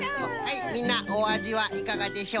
はいみんなおあじはいかがでしょうか？